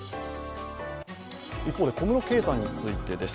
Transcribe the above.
一方で小室圭さんについてです。